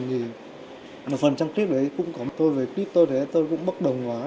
thì một phần trong clip đấy cũng có tôi về clip tôi tôi cũng bất đồng quá